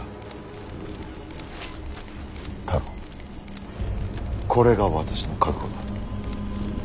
太郎これが私の覚悟だ。